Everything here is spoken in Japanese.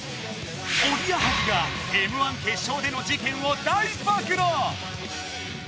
おぎやはぎがＭ−１決勝での事件を大暴露！